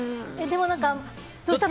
どうしたの？